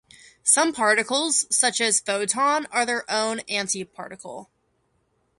Some particles, such as the photon, are their own antiparticle.